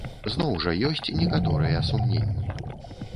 Зноў жа, ёсць некаторыя сумненні.